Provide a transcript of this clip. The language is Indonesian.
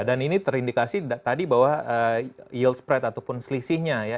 dan ini terindikasi tadi bahwa yield spread ataupun selisihnya